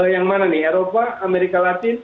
yang mana nih eropa amerika latin